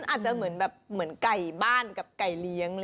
อาจจะเหมือนแบบเหมือนไก่บ้านกับไก่เลี้ยง